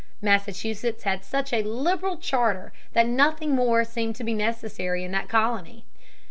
Massachusetts had such a liberal charter that nothing more seemed to be necessary in that colony.